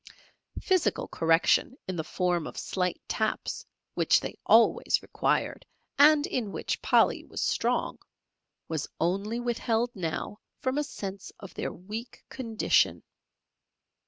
Physical correction in the form of slight taps, which they always required, and in which Polly was strong, was only withheld now from a sense of their weak condition.